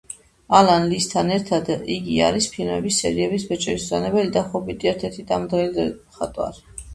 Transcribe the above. ალან ლისთან ერთად იგი არის ფილმების სერიების „ბეჭდების მბრძანებელი“ და „ჰობიტი“ ერთ-ერთი დამდგმელი მხატვარი.